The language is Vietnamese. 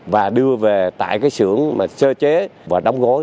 và đưa về tại sưởng sơ chế và đóng gối